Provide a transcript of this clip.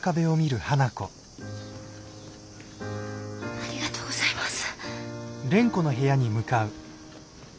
ありがとうございます。